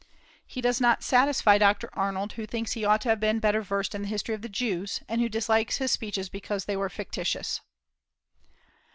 He does not satisfy Dr. Arnold, who thinks he ought to have been better versed in the history of the Jews, and who dislikes his speeches because they were fictitious.